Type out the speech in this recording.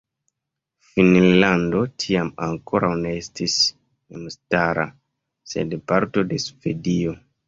Finnlando tiam ankoraŭ ne estis memstara, sed parto de Svedio.